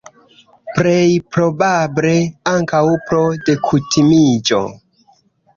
Plej probable, ankaŭ pro dekutimiĝo.